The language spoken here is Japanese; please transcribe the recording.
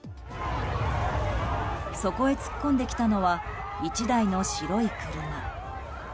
そこへ突っ込んできたのは１台の白い車。